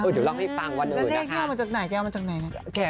เดี๋ยวเราให้ฟังวันอื่นนะค่ะ